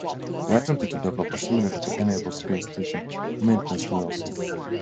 They attempted to develop a simulator to enable space station maintenance rehearsal.